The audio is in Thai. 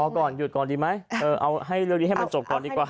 ก่อนหยุดก่อนดีไหมเอาให้เรื่องนี้ให้มันจบก่อนดีกว่า